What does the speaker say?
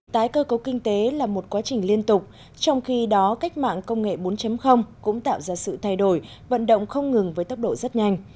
tái cơ cấu kinh tế là một quá trình liên tục trong khi đó cách mạng công nghệ bốn cũng tạo ra sự thay đổi vận động không ngừng với tốc độ rất nhanh